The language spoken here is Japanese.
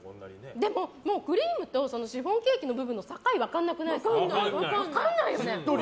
でも、クリームとシフォンケーキの部分の境が分からなくないですか。